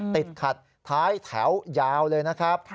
ติดขัดท้ายแถวยาวเลยนะครับ